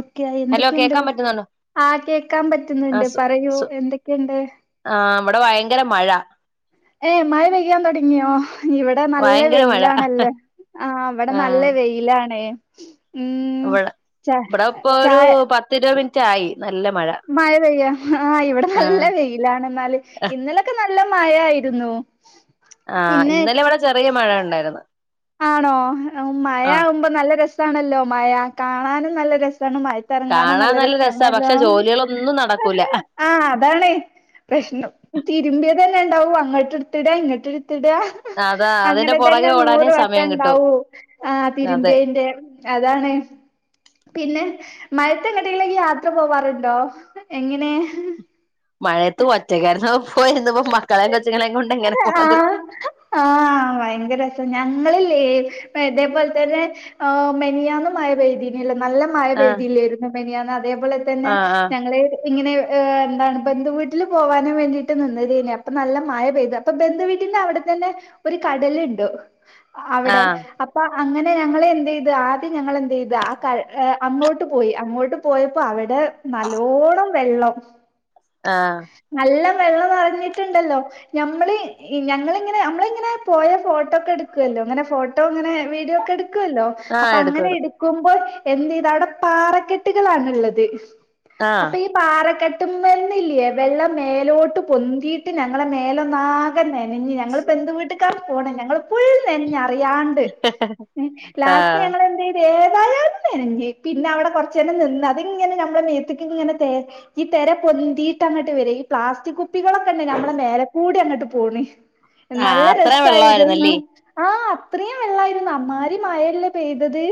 Okay hello എന്തൊക്കെയുണ്ട് കേക്കാൻ പറ്റുന്നുണ്ടോ ആ കേക്കാൻ ആ പറ്റുന്നുണ്ട് സു പറയൂ സു എന്തൊക്കെയുണ്ട് ആ ഇവിടെ ഭയങ്കര മഴ ഏ മഴ പെയ്യാൻ തുടങ്ങിയോ ഇവിടെ നല്ല ഭയങ്കര മഴ വെയിലാണല്ലേ ആ ഇവിടെ നല്ല വെയിലാണേ ഉം ഇവിടെ ച ഇവിടെ ഇപ്പ ഒരു ചായ പത്തിരുപത് മിനിറ്റ് റ്റായി മഴ പെയ്യാ ആ ഇവിടെ ആ നല്ല വെയിലാണ് എന്നാല് ഇന്നലൊക്കെ ന നല്ല മഴ ആയിരുന്നു ആ പിന്നെ ഇന്നലെ ഇവിടെ ചെറിയ മഴ ഉണ്ടായിരുന്നു ആണോ മഴ ആ ആവുമ്പോ നല്ല രസ രസാണല്ലോ മഴ കാണാനും നല്ല രസ മഴത്തിറങ്ങാനും കാണാൻ നല്ല രസാ രസണല്ലോ പക്ഷെ ജോലികളൊന്നും നടക്കൂല ആ് അതാണ്പ്രശ്നം തിരുമ്പിയ തന്നെ ഉണ്ടാവും അങ്ങട്ടെടുത്തിടെ ഇങ്ങിട്ട് [unintelligible] അതാ അതിന്റെ അങ്ങനെ പുറകെ തന്നെ ഓടാനേ നൂറ് വ സമയം കിട്ടൂ ഉണ്ടാവു ആ അതെ തിരുമ്പേന്റെ അതാണ് പിന്നെ മയത്തെങ്ങട്ടേങ്കിലും യാത്ര പോവാറുണ്ടോ എങ്ങനെ മഴയത്ത് ഒറ്റക്ക [unintelligible] മക്കളെ കൊച്ചുങ്ങെക്ക കൊണ്ട് എങ്ങനെ പോണത് ആഹ് ല്ലേ അതേപോലെ തന്നെ മെനിയന്നും മാഴ പൈതിനിയല്ലോ നല്ല മഴ ആ പെയ്തിയില്ലായിരുന്നു മിനിയാന്ന് അത് പോലെ തന്നെ ആ ഞങ്ങൾ ഇങ്ങനെ എന്താണ് ബന്ധു വീട്ടിൽ പോകാനും വേണ്ടിട്ട് ട്ട് നിന്നതെനി അപ്പൊ നല്ല മഴ പെയ്തു അപ്പൊ ബന്ധ വീട്ടിന്റെ അവിടെ തന്നെ ഒരു കടലുണ്ട ആ അവിടെ അപ്പൊ അങ്ങനെ ഞങ്ങളെ എന്ത് ചെയ്ത് ആദ്യം ഞങ്ങൾ [unintelligible] അങ്ങോട്ട് പോയി അങ്ങോട്ട് പോയപ്പോ അവിടെ നല്ലോണം വെള്ളം ആ നല്ല വെള്ളം നിഞ്ഞിട്ടുണ്ടല്ലോ നമ്മള് ഞങ്ങിങ്ങനെ നമ്മള ഇങ്ങനെ പോയ ഫോട്ടോ ഒക്കെ എടുക്കല്ലോ അങ്ങനെ ഫോട്ടോ അങ്ങനെ വീഡിയോ ഒക്കെ എടു കല്ലോ ആ ആ അപ്പൊ എടുക്കും അങ്ങനെ എടുക്കും എടുക്കുമ്പോ എന്ത് ചെയ്ത് അവിടെ പാറക്കെട്ടുകളൾണുള്ളത് ആ അപ്പൊ ഈ പാറക്കെട്ട [unintelligible] ഇല്ലേ വെള്ളം മേലോട്ട് പൊന്തിയിട്ട് ഞങ്ങളെ മേലൊ ഒന്നാകന്നെ- നഞ്ഞു ഞങ്ങൾ ബന്ധു വീട്ട്ക്ക് ക്കാ പോണേ ഞങ്ങൾ ഫുൾ നനഞ്ഞു അറിയണ്ട് ലാസ്റ്റ് ഞങ്ങൾ എന്ത്ചെയ്ത് നല്ലോണം നനഞ്ഞ് പിന്നെ അവിടെ കൊറച്ചുെ നിന്ന് അത്ങ്ങനെ നമ്മുടെ മേത്തക്ക ഇങ്ങനെ ഈ തിര പൊന്തിയിട്ട് അങ്ങോട്ട് വര ഈ പ്ലാസ്റ്റിക് കുട്ടികളൊക്കെന്നെ നമ്മളെ മേലക്കൂടി അങ്ങട്ട പോണി ആ നല്ല അത്രയും രസായിരുന്നു വെള്ളമായിരുന്നല്ലേ ആഹ് പ്രിയ എല്ലായിരുന്നൊ അമ്മാരി മഴയല്ലേ പെയ്തത്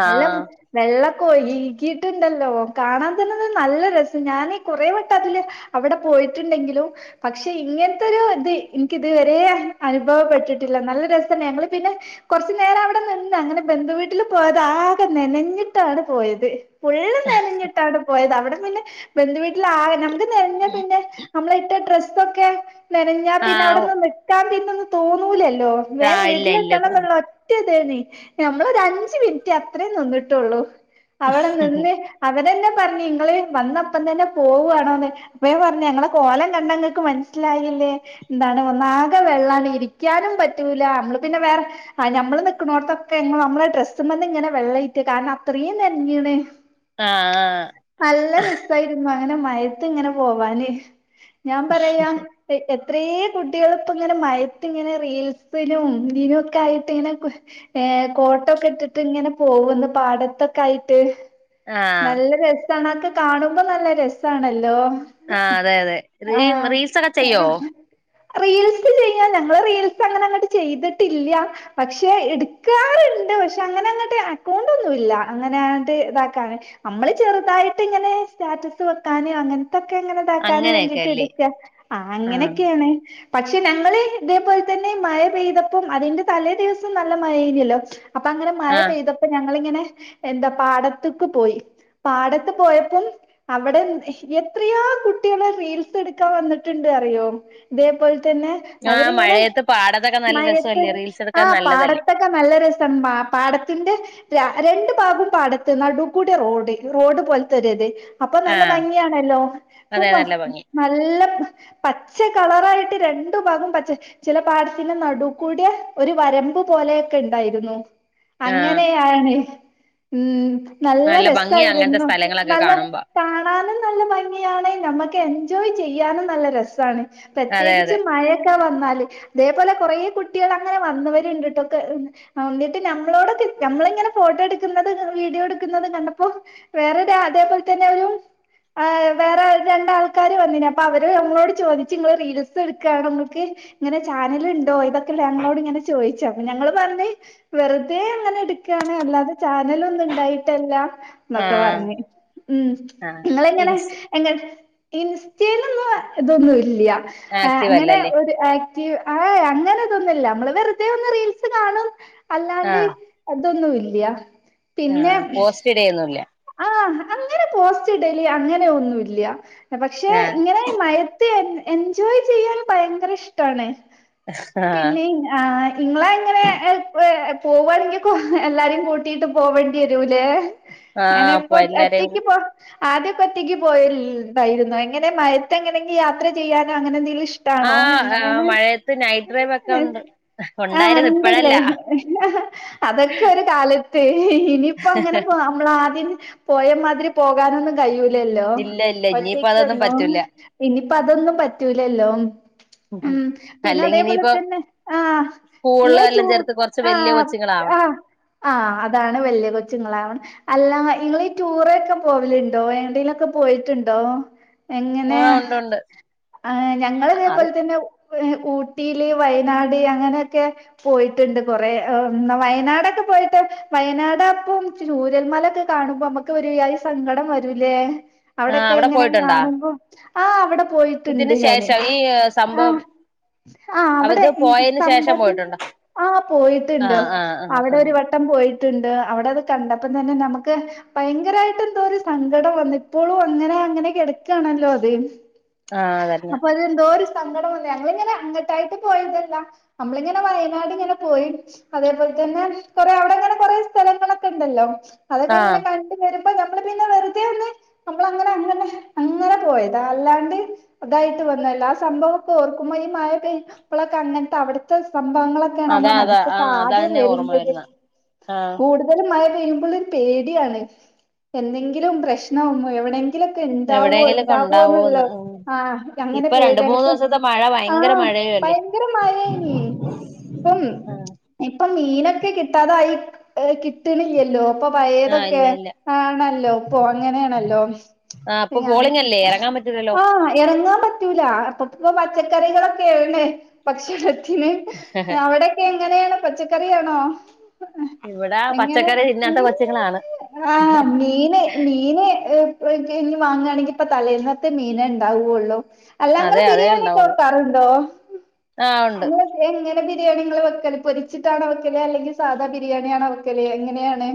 ആ എല്ലം ആ വെള്ളം ക്കൊഴിക്കിട്ടുണ്ടല്ലോ കാണാൻ തന്നൊരു നല്ല രസം ഞാനീ കുറെ വട്ടം അതില് അവിടെ പോയി ടുണ്ടെങ്കിലും പക്ഷെ ഇങ്ങനത്തെൊരു ഇത് എനിക്ക് ഇതുവരെ അനു അനുഭവപ്പെട്ടിട്ടില്ല നല്ല രസ തന്നെ ഞങ്ങള് പിന്നെ കുറച്ചു നേരം അവിടെ നിന്ന് അങ്ങനെ ബന്ധുവീട്ടിൽ പോയത ആകെ നനഞ്ഞിട്ടാണ് പോയത്. പുള്ള് നെനഞ്ഞിട്ടാണ് പോയത് അവിടെ ബന്ധുവീട്ടിൽ ആകെ നമക് [inaudible] നമ്മളാ ഇട്ട ഡ്രസ്സൊക്കെ നെനഞ്ഞാ ആഹ് പിന്നെവിടുന്ന് നിക്കാണ്ടി തോന്നൂലല്ലേ ല്ലോ വേം ആഹ് ഇല്ല ഇല്ല വീട്ടിലെത്തണം തോന്നു എന്നുള്ള ഒറ്റ ത്തേനി നമ്മള രണ്ട് അഞ്ച് മിനിറ്റ് അത്രയും നന്നിട്ട് ട്ടുള്ളൂ അവിടെ നിന്ന് അവിടെന്നെ പറഞ്ഞ് നിങ്ങള് വന്നപ്പം തന്നെ പോവുആണോന്ന് അപ്പൊയെ പറഞ്ഞ് ഞങ്ങളെ കോലം കണ്ട നിങ്ങൾക്ക് മനസ്സിലായില്ലേ എന്താണ് ഒന്നാകെ വെള്ളാണ് ഇരിക്കാനും പറ്റൂല നമ്മള് പിന്നെ വേറെ നമ്മള് നിക്കണോടത്തൊക്കെ നമ്മളെ ഡ്രസ്സമെന്ന് ഇങ്ങനെ വെള്ള ഇറ്റ് കാരണം അത്രയും നനഞ്ണ് ആഹ് നല്ല രസായിരുന്നു അങ്ങനെ മയത്ത് ഇങ്ങനെ പോവാന് ഞാൻ പറയാ [unintelligible] ഇത്രേം കുട്ടികളിപ്പ ഇങ്ങനെ മഴയത്തിങ്ങനെ റീൽസിനും ഇതിനും ഒക്കെ ആയിട്ട് ഇങ്ങനെ ഏ കോട്ടോക്കെ ഇട്ടിട്ട് ഇങ്ങനെ പോകന്ന് പാടത്തൊക്കെ ആയിട്ട്. ആഹ് ആഹ് നല്ല രസ ചണക്ക് കാണുമ്പോ നല്ല രസാണല്ലോ ആ അത് അതെ അതെ റീം റീൽസൊക്കെ ചെയ്യോ ആഹ് റീൽസ് ചെയ്യ ഞങ്ങള് റീൽസ് അങ്ങനെ അങ്ങോട്ട് ചെയ്തിട്ടില്ല പക്ഷെ എടുക്കാറുണ്ട് പക്ഷെ അങ്ങനെ അങ്ങോട്ട് അക്കൗണ്ട് ഒന്നുല്ല അങ്ങനെങ്ങട്ട് ഇതാക്കാന് നമ്മള് ചെറുതായിട്ട് ഇങ്ങനെ സ്റ്റാറ്റസ് വെക്കാന് അങ്ങനെ ഇതക്കെ എങ്ങനെതാക്കാനും വേണ്ട അങ്ങനെയൊക്കെ അല്ലേ ട്ടെടുക്ക ആ ആഹ് അങ്ങനെയൊക്കെയാണ് പക്ഷെ ഞങ്ങള് ഇതേപോലെ തന്നെ മഴ പെയ്തപ്പം അതിന്റെ തലേ ദിവസം നല്ല മഴ ആയീനല്ലോ അപ്പൊ അങ്ങന മഴ ആഹ് പെയ്തപ്പോ ഞങ്ങളിങ്ങനെ എന്താ പാടത്ത്ക്ക് പോയി പാടത്ത് പോയപ്പം അവിടെ എത്രയാ കുട്ടികള് റീൽ സ് എടുക്കാൻ വന്നിട്ടുണ്ട് അറിയോ ഇതേപോൽ തന്നെ ആഹ് അവരിങ്ങനെ മഴയത്ത് പാടത്തൊക്കെ നല്ല മഴയത്ത് രസല്ലേ റീൽസ് എടുക്കാൻ ആഹ് നല്ലതല്ലേ പാടത്തൊക്കെ നല്ല രസം മ പ പാടത്തിന്റെ രാ രണ്ടു ഭാഗം പാടത്ത് നടൂ കൂടെയാ റോഡ് റോഡ് പോലത്തൊര്ത് അപ്പം നല്ല ആഹ് ഭംഗിയാണല്ലോ അതെ ഇപ്പം നല്ല ഭംഗി നല്ല പച്ച കളറായിട്ട് രണ്ടു ഭാഗം പച്ചെ ചില പാടത്തിന്റെ നടൂ കൂ ട്യ ഒരു വരമ്പ് പോലെയൊക്കെ ഇണ്ടായിരുന്നു ആഹ് അങ്ങനെയാണ് ഉം നല്ല ഭംഗിയ അങ്ങനത്തെ രസായിരുന്നു സ്ഥലങ്ങളൊക്കെ നല്ല കാണുമ്പോ കാണാനും നല്ല ഭംഗിയാണ് ഞമ്മക്ക് എൻ ജോയ് ചെയ്യാനും നല്ല രസാണ് അതെ പ്രത്യേകിച്ച് അതെ മഴയൊക്കെ വ ന്നാല് അതേപോലെ കൊറേ കുട്ടികള് അങ്ങനെ വന്നവരുണ്ടിട്ടൊക്കെ അന്നിട്ട് നമ്മളോടൊക്കെ നമ്മളിങ്ങനെ ഫോട്ടോ എടുക്കുന്നത് വീഡിയോ എടുക്കുന്നത് കണ്ടപ്പോ വേറൊരു അതേപോലെ തന്നെ ഒരു ആഹ് വേറെ രണ്ടാൾ ക്കാര് വന്നിന് അപ്പൊ അവര് നമ്മളോട് ചോദിച്ച് റീൽസ് എടുക്കാണോ ഇങ്ങക്ക്‌ ഇങ്ങനെ ചാനൽ ഉണ്ടോ ഇതൊക്കെല്ലെ ഞങ്ങളോട് ഇങ്ങനെ ചോദിച്ചു അപ്പൊ ഞങ്ങള് പറഞ്ഞ് വെറുതെ അങ്ങനെ എടുക്കാണ് അല്ലാതെ ചാനൽ ഒന്നും ഇണ്ടായിട്ടല്ല ന്നൊക്കെ ആഹ് പറഞ്ഞ് ഉം ആഹ് നിങ്ങളിങ്ങനെ ഇൻസ് എങ്ങ ഇൻസ്റ്റേലൊന്നും ഇതൊന്നും ഇല്ല്യ ആഹ് ആക്റ്റീവ് അങ്ങനെ അല്ലല്ലേ ഒരു ആ ക്റ്റീവ് ആഹ് അങ്ങനതൊന്നില്ല നമ്മള് വെറുതെ ഒന്ന് റീൽസ് കാണും അല്ലാണ്ട് ആഹ് ത്തൊന്നും ഇല്ല്യാ ആഹ് പോസ്റ്റിടെം ഒന്നുല്ല ആഹ് അങ്ങനെ പോസ്റ്റ്ടല് അങ്ങനെ ഒന്നൂല്ല പക്ഷെ ആഹ് ഇങ്ങനെ ഈ മയ ത്ത് എൻജോയ് ചെയ്യാൻ ഭയങ്കര ഇഷ്ടാണ് ആഹ് പിന്നെ ആഹ് ഇങ്ങളെ ഇങ്ങനെ എഹ് ഒ പോവാണെങ്കിൽ കൊഹ്‌ എല്ലാരും കൂട്ടിട്ട് പോവേണ്ടി വരൂല്ലേ ആഹ് [unintelligible] അപ്പൊ ഇപ്പൊ എല്ലാരെയും ഒറ്റക്ക് പോ ആദ്യോക്കെ ക്കെ ഒറ്റക്ക് പോയാ ല്ണ്ടായിരുന്നൊ എങ്ങനെ മയത്ത് എങ്ങനെങ്കിലും യാത്ര ചെയ്യാനോ അങ്ങനെ എന്തെങ്കിലും ഇഷ്ടാണോ ആഹ് എങ്ങനേണ് മഴയത്ത് നൈറ്റ് ഡ്രൈവ് ഒക്കെ ഉണ്ട് ആ ഉണ്ടായിരുന്നു ഇണ്ട്ല്ലേ ഇപ്പഴല്ല അഹ് അതൊക്കെ ഒരു കാലത്ത് ഇനിപ്പോ അങ്ങനെ പോവ നമ്മളാ [unintelligible] പോയ മാതിരി പോകാനൊന്നും കഴിയൂല ലല്ലോ ഇല്ല ഇല്ല ഇനിയിപ്പോ അതൊന്നും ഒറ്റക്കൊന്നും പറ്റൂല ഇനിപ്പോ അതൊന്നും പറ്റൂലല്ലോ ഉം പിന്നെ അല്ലെങ്കി അതേപോലെ ഇനിയിപ്പോ തന്നെ ആഹ് സ്കൂളിൽ നിങ്ങള് ടു എല്ലാം ചേർത്ത് കുറച്ച് വലിയ ആഹ് കൊച്ചുങ്ങളാവണം ആഹ് ആഹ് അതാണ് വലിയ കൊച്ചുങ്ങളാവണം അല്ല ഇങ്ങളീ ഈ ടൂറ് ഒക്കെ പോവലുണ്ടോ ഏണ്ടേലു ഒക്കെ പോയിട്ടുണ്ടോ എങ്ങനെ ആഹ് ഉണ്ട് ഉണ്ട് ആഹ് ഞങ്ങളിതേ അത് പോലെ തന്നെ ഉ ഊട്ടീല് വയനാട് അങ്ങനെയൊക്കെ പോയിട്ട്ണ്ട് കൊറേ ഏഹ് വയനാടൊക്കെ പോയിട്ട് വയനാട് അപ്പം ചൂര രൽമല ഒക്കെ കാണുമ്പോ നമ്മക്ക് ഒരു ജാതി സങ്കടം വരൂല്ലേ ആഹ് അവിടൊക്കെ അവിടെ എങ്ങനെ പോയിട്ടുണ്ടാ കാണുമ്പം ആ അവിടം പോയിട്ട്ണ്ട് ഇതിന് ഞാന് ശേഷം ഈ ആ സംഭവം ആ വിടെ അവത് ഈ പോയതിന് ശേഷം സമ്പത്തി പോയിട്ടുണ്ടോ ആ പോയിട്ടുണ്ട് ആഹ് ആഹ് ആഹ് അവിടെ ആഹ് ഒരു വട്ടം പോയി ണ്ട് അവിടത് കണ്ടപ്പ ഇപ്പം തന്നെ നമുക്ക് ഭയങ്കരായിട്ട് എന്തോ ഒരു സങ്കടം വന്നിട്ട് ഇപ്പോഴും അങ്ങനെ അങ്ങനെ കിടക്കാണല്ലോ അത് ആഹ് അതന്നെ അപ്പൊതെതോര് സങ്കടം വന്ന് ഞങ്ങളിങ്ങനെ അങ്ങട്ടായിട്ട് പോയതല്ല നമ്മളിങ്ങനെ വയനാട് ഇങ്ങനെ പോയി അതേപോൽ തന്നെ കൊറേ അവിടെ ഇങ്ങനെ കൊറേ സ്ഥലങ്ങളൊക്കെ ഇണ്ടല്ലോ അതൊക്കെ ആഹ് ഇങ്ങനെ കണ്ടു വരും നമ്മള് പിന്നെ വെറുതെ അന്ന് നമ്മളങ്ങനെ അങ്ങനേ അങ്ങനെ പോയതാ അല്ലാണ്ട് ഇതായിട്ട് വന്നല്ലാ ആ സംഭവം ഒക്കെ ഓർക്കുമ്പോ ഈ മയ പെയ്യുമ്പളക്ക അങ്ങനത്തെ അവിടുത്തെ സം സംഭവങ്ങളൊക്കെആണ് അതാ നമ്മുടെ അതാ ആഹ് മനസിലേക്കാദ്യം അതാന്നെ ഓർമ്മ വരുന്നത് വരുന്ന ആഹ് കൂടുതലും മയ ഉം പ്പഴും പേടിയാണ് എന്തെങ്കിലും പ്രശ്നോണ്ടോ എവിടെ ലൊക്കെ ഇണ്ടാവോ എവിടെയെങ്കിലൊക്കെ ഇണ്ടാവോന്നുള്ള ഉണ്ടാവോന്ന് ഉം ആ അങ്ങനെ ഇപ്പൊ രണ്ട് പേട്യാണ് മൂന്ന് ഇപ്പം ദിവസത്തെ മഴ ആ ഭയങ്കര മഴയും അല്ലേ ഭയങ്കര മയയാണ് ഇപ്പം ഇപ്പം മീനൊക്കെ കിട്ടാതായി ഏഹ് കിട്ടണില്ലല്ലോ ഇപ്പ ആഹ് പഴയതൊക്കെ ഇല്ല ഇല്ല ആണല്ലോ ഇപ്പ അങ്ങനെയാണല്ലോ ആഹ് ഇപ്പൊ ഞാൻ പോളിംഗ് അല്ലേ ഇറങ്ങാൻ പറ്റൂലല്ലോ ആ ഇറങ്ങാൻ പറ്റൂല അപ്പുറതെ പച്ചക്കറികളൊക്കെ ഏണ് പക്ഷെ ശ്ര അവിടൊക്കെ എങ്ങ എങ്ങനെയാണ് പച്ചക്കറിയാണോ ഇവിടാ പച്ചക്കറി തിന്നാത്ത ഉം കൊച്ചുങ്ങളാണ് ആ മീന് മീന് ഇനി വാങ്ങുകയാണെങ്കിൽ ഇപ്പം തലേന്നത്തെ മീനേ ഇണ്ടാവുള്ളു അല്ല നിങ്ങളെ അതെ അതേ ബിരിയാണിക്ക ഉണ്ടാവുള്ളൂ വെക്കാറുണ്ടോ ആഹ് ഉണ്ട് നിങ്ങളൊക്കെ എങ്ങ ബിരിയാണികൾ വെക്കല് പൊരിച്ചിട്ടാണോ വയ്ക്കലേ അല്ലെങ്കിൽ സാധാ ബിരിയാണിയാണോ വെക്കല് എങ്ങനെയാണ്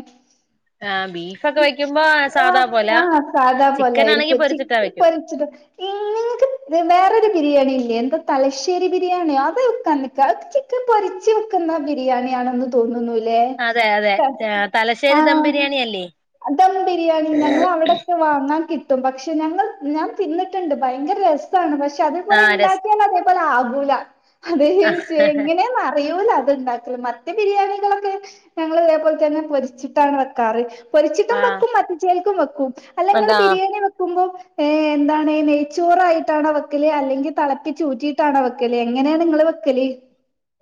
ആഹ് ബീഫൊക്കെ വെക്കുമ്പോ ആ സാധാ പോലെ ആ സാധാ ചിക്കൻ ആണെങ്കി പോലായിരിക്കും പൊരിച്ചിട്ടാ ചിക്കി വെക്കും പൊരിച്ചത് ഇങ്ങക്ക് വേറൊരു ബിരിയാണില്ലെ എന്ത് തലശ്ശേരി ബിരിയാണിയാ അത് വെക്കാൻ നിക്ക ചിക്കൻ പൊരിച്ചു വെക്കുന്ന ബിരിയാണിയാണെന്ന് തോന്നുന്നു അതെ അതെ തലശ്ശേ ആ ദം ബിരിയാണി ഞങ്ങളവിടൊക്കെ വാങ്ങ ആ കിട്ടും പക്ഷെ ഞങ്ങൾ ഞാൻ തിന്നിട്ടുണ്ട് ഭയങ്കര രസാണ് പക്ഷേ അതെപ്പോല ആഹ് രസ ഇണ്ടാക്കിയാലതുപോല ഗുല അതെ ഏ ചെ എങ്ങനെന്നറിയൂല ഉണ്ടാക്കലേ മറ്റേ ബിരിയാണികളൊക്കെ ഞങ്ങൾ ഇതേപോലെ തന്നെ പൊരിച്ചി ട്ടാണ് വെക്കാറ് പൊരിച്ചിട്ടും ആഹ് വെക്കും മത്തി ചേൽക്കും വെക്കും അല്ലിങ്ങള് എന്താ ബിരിയാണി വെക്കുമ്പോൾ ഏ എന്താണ് നെയ്ച്ചോറായിട്ടാണോ വെക്കല് അല്ലെങ്കിൽ തിളപ്പി ചൂറ്റിട്ടാണോ വെക്കല് എങ്ങനെയാ നിങ്ങള് വെക്കല്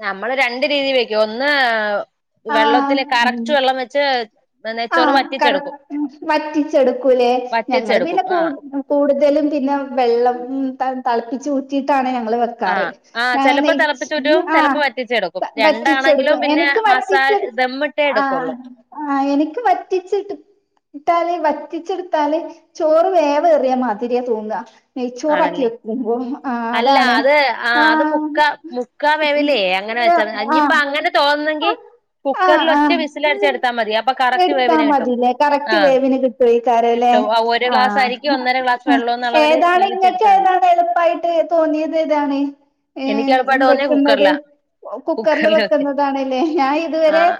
നമ്മള് രണ്ട് രീതിൽ വെക്കും ഒന്ന് വെള്ളത്തിൽ കറക്റ്റ് വെള്ളം വെച്ച് ആ നെയ്ച്ചോറ് കറക് വറ്റിച്ചെടുക്കും വറ്റിച്ചെടുക്കൂലേ ഞങ്ങള് വറ്റിച്ചെടുക്കും പിന്നെ ആഹ് കൂട് കൂടുതലും പിന്നെ വെള്ളം ത തളപ്പിച്ച് ഊറ്റിട്ടാണ് ഞങ്ങ ള് വെക്കാറ് ആഹ് ആഹ് ഞാ ചെലപ്പോ നെയ് തിളപ്പിച്ചൂറ്റും ആ ചെലപ്പോ വറ്റിച്ചെടുക്കും രണ്ടാണെങ്കിലും വറ്റിച്ചെടുക്കും പിന്നെ എനിക്ക് മസാല വറ്റിച്ചെട് ദമ്മിട്ടേ എടുക്കുള്ളൂ ആ എനി വറ്റിച്ചിട് ഇട്ടാല് വറ്റിച്ചെട്ത്താല് ചോറ് വേവേറിയ മാതിരിയ തോന്ന ആണല്ലേ അല്ല അതാണ് അത് ആ അത് ആഹ് മുക്കാ മുക്കാ വേവിലേ അങ്ങനെ വെച്ചാ ഇനിയിപ്പങ്ങനെ ആഹ് തോന്ന്ന്നേങ്കി കുക്കറിൽ ഒറ്റ വിസിലടിച്ചടുത്താ മതി അപ്പ എട്ത്താ മതില്ലേ കറക്റ്റ് വേവിന് കിട്ടേക്കാരല്ലേ കിട്ടും ഒരു ആ ഗ്ലാസ് അരിക്ക് ഒന്നര ഗ്ലാസ് വെള്ളം എന്ന അളവില് ഏതാണ് ഇങ്ങക്ക് വേവിച്ചെടുത്താൽ മതി ഏതാണ് എളുപ്പായിട്ട് തോന്നിയത് ഏതാണ് എനിക്ക് എളുപ്പമായിട്ട് തോന്നിയ വെക്ക്ന്നത് കുക്കറിലാ കുക്കറ്ല് കുക്കറിൽ വെക്കും വെക്ക്ന്നതാണ്‌‌ല്ലേ ഞാൻ ഇതുവരെ ആഹ്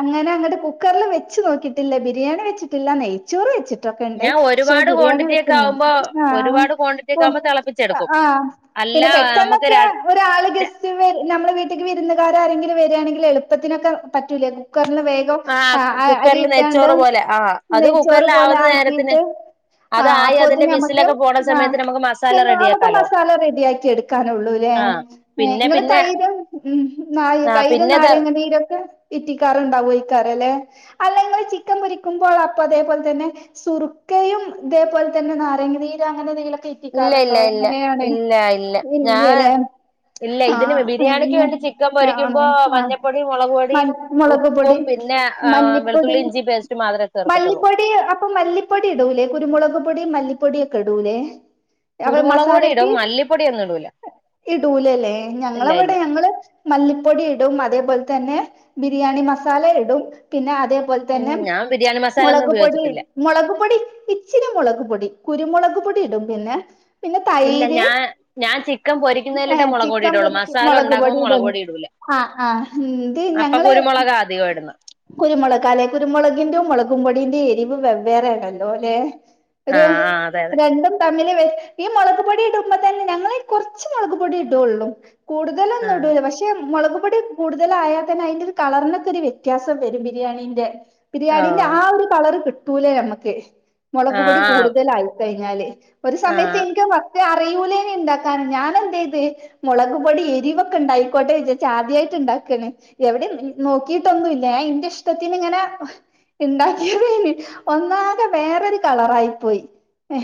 അങ്ങനെ അങ്ങട്ട് കു കുക്കാറില് വെച്ച് നോക്കിയിട്ടില്ല ബിരിയാണി വെച്ചിട്ടില്ല നെയ്ച്ചോറ് വെച്ച് ട്ടൊക്കെണ്ട് ഞാൻ പക്ഷെ ഒരുപാട് ബിരിയാണി ക്വാണ്ടിറ്റി വെക് ഒക്കെ ആവുമ്പോ ആ ഒരുപാട് ക്വാണ്ടിറ്റി ഒ ഒക്കെ ആവുമ്പോ ആ തിളപ്പിച്ചെടുക്കും ആ അല്ല പിന്നെ നമുക്ക് പെട്ടെന്നൊക്കെ ര ഒരാൾ ഗസ്റ്റ്‌ വര് ഞമ്മളെ വീട്ട്ക്ക് വിരുന്ന്ക്കാര് രെങ്കിലും വരാണെങ്കിൽ എള്പ്പത്തിനൊക്കെ പറ്റൂല്ലേ കു റ്ന്ന് വേഗം ആഹ് ആ കുക്കറിൽ അരിയിട്ടാണ്ട് നെയ്ച്ചോറ് പോലെ ആഹ് അത് നെയ്ച്ചോറ് കുക്കറിൽ പോലെ ആവുന്ന നേരത്തിന് ആക്കിയിട്ട് ആ അതായി അതിന്റെ അപ്പോത്തിന് നമ്മക്ക് വിസിലൊക്കെ പോണ ആ സമയത്ത് നമുക്ക് മസാല നമുക്ക് റെഡിയാക്കാലോ മസാല റെഡിയാക്കിയെട്ക്കാനൊള്ളൂല്ലേ ആഹ് ഏ പിന്നെ ഇങ്ങ്ള് പിന്നെ തൈരും മ്മ് നാ ആ തൈര് പിന്നെത് നാരങ്ങ നീരോക്കെ ഇറ്റിക്കാറുണ്ടാവേ ക്കാരല്ലേ അല്ല ഇങ്ങള് ചിക്കൻ പൊരിക്കുമ്പോൾ അപ്പൊ അതേപോലെ തന്നെ സുറുക്കയും ഇതേപോലെ തന്നെ നാരങ്ങനീര് അങ്ങനെ എന്തെങ്കില് ഇല്ല ഇല്ല ഇല്ല ഇല്ല ഇല്ല ഞാൻ ഇല്ല്യലേ ഇല്ല ഇതിന് ആഹ് ബിരിയാണിക്ക് ഇങ്ങ് വേണ്ടി ചിക്കൻ പൊരിക്കുമ്പോ ആണ് ആഹ് മഞ്ഞപ്പൊടിയും മുളക് മൽ പൊടിയും മുളക് ഉപ്പും പൊടി പിന്നെ മല്ലിപ്പൊടി വെളുത്തുള്ളി ഇഞ്ചി പേസ്റ്റ് മാത്രമേ ചേർക്കത്തുള്ളൂ മല്ലിപ്പൊടി അപ്പൊ മല്ലിപ്പൊടി ഇടൂലേ കുരുമുളക് പൊടി മല്ലിപ്പൊടിയൊക്കെ ഇടൂലേ അവേ കുരുമുളക് പൊടി മസാലയ്ക്ക് ഇടും മല്ലിപ്പൊടിയൊന്നും ഇടൂല ഇടൂലല്ലേ ഇല്ല ഞങ്ങളവിടെ ഇല്ല ഞങ്ങള് മല്ലിപ്പൊടി ഇടും അതേ ത്പോലെ തന്നെ ബിരിയാണി മസാല ഇടും പിന്നെ അ തേപോലെ ഉം തന്നെ ഞാൻ ബിരിയാണി മസാല ഒന്നും മുളക്പൊടി ഉപയോഗിച്ചിട്ടില്ല മുളക്പൊടി ഇച്ചിരി മുളക് പൊടി കുരുമുളക് പൊടി ഇടും പിന്നെ പിന്നെ ഇല്ല തൈര് ഞാ ഞാൻ ചിക്കൻ പൊരിക്കുന്നതിലിട്ടേ ഏഹ് മോളക്പൊടി ചിക്കൻ ഇടോള്ളു പൊരിക്കും മുളക് മസാലണ്ടാക്കുമ്പോ മോളക് ഇടും പൊടി ഇടൂല ആഹ് ആഹ് ഇത് അപ്പൊ കുരുമുളകാ അധികം ഇടുന്ന മോളകലേ കുരുമുളക്ന്റും മോളക് പൊടീന്റെ എരിവ് വെവ്വേറെണല്ലോല്ലെ ഒരു ആഹ് ആഹ് അതെ അതെ രണ്ടും തമ്മി ൽ ഈ മോളക് പൊടി ഇടുമ്പോതന്നെ ഞങ്ങള് കൊറച്ച് മോളക് പൊടി ഇടോള്ളൂ കൂടുതലൊന്നും ആഹ് ഇടൂല പക്ഷെ മോളക് പൊടി കൂടുതലായാതന്നെ അയിന്റോര് കളറിനൊക്ക ഒര് വ്യത്യാ സം വരും ബിരിയാണിന്റെ ബിരിയാണിന്റെ ആ ഓ ഒര് കളർ കി കിട്ടൂല നമ്മക്ക് മോളക് പൊടി ആഹ് കൂടുതലായിക്കയി ഞ്ഞാല് ഒരു സമയത്ത് എനിക്ക് [unintelligible] അറിയൂലെയ്നി ഇണ്ടാക്കാൻ ഞാൻ എന്ത് ചെയത് മുളകുപൊടി എരിവൊക്കെ ഉണ്ടായിക്കോട്ടെ വിചാരിച്ച് ആദ്യായിട്ട് ഇണ്ടാക്കാണ് എവിടെ നോക്കിയിട്ടൊന്നും ഞാൻ ഇന്റെ ഇഷ്ടത്തിന് ഇങ്ങനെ ഉണ്ടാക്കിയത് ഒന്നാകെ വേറൊരു കളറായി പോയി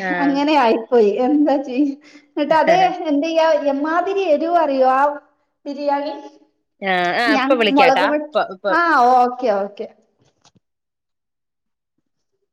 ആഹ് അങ്ങനെയായി പോയി എന്താചി എന്നിട്ട് അതെ ആഹ് എന്തെയ്യാ എമ്മാതിരി എരുവാറിയോ ആ ബിരിയാണി ആ ആ ഞാൻ ഇപ്പൊ മുളക് വിളിക്കാട്ടാ പൊടി ഇപ്പ ഇപ്പൊ ആഹ് ഓക്കെ ഓക്കെ